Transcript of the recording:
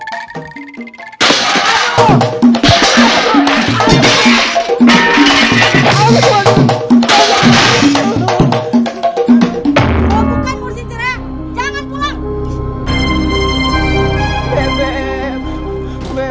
tak ada pria jadi simpanan untuk kalau ada bomba